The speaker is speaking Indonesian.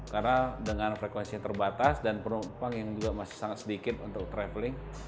karena dengan frekuensi yang terbatas dan penumpang yang juga masih sangat sedikit untuk travelling